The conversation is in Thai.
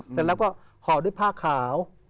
เสร็จแล้วก็ห่อด้วยผ้าขาว